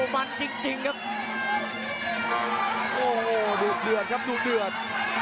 มันจริงครับโอ้โหดูดเรือดครับดูดเรือด